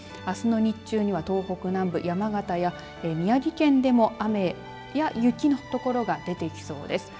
あすの日中には東北南部山形や宮城県でも雨や雪の所が出てきそうです。